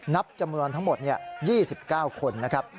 นับจำนวนทั้งหมด๒๙คนนะครับ